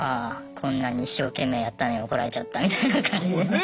こんなに一生懸命やったのに怒られちゃったみたいな感じで。